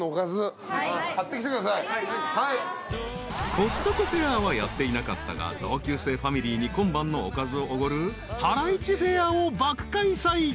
［コストコフェアはやっていなかったが同級生ファミリーに今晩のおかずをおごるハライチフェアを爆開催］